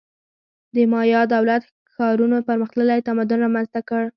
د مایا دولت-ښارونو پرمختللی تمدن رامنځته کړ.